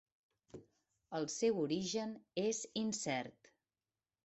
El seu origen és incert.